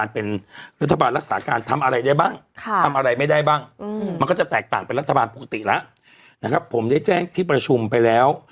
ผมได้แจ้งที่ประชุมไปแล้ว